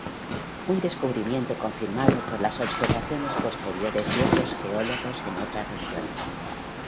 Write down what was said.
Un descubrimiento confirmado por las observaciones posteriores de otros geólogos en otras regiones.